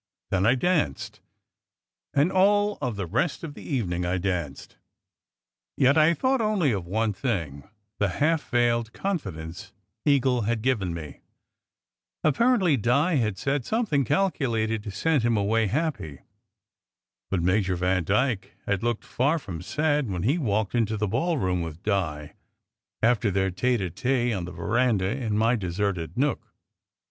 Then I danced. And all the rest of the evening I danced. Yet I thought only of one thing: the half veiled confidence Eagle had given me. Apparently Di had said something calculated to send him away happy. But Major Vandyke had looked far from sad when he walked into the ballroom with Di, after their tete a tete on the veranda in my deserted nook.